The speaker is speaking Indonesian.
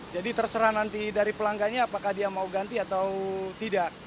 jadi terserah nanti dari pelangganya apakah dia mau ganti atau tidak